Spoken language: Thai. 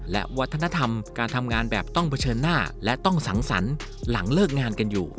และวัฒนธรรมการทำงานแบบต้องเผชิญหน้าและต้องสังสรรค์หลังเลิกงานกันอยู่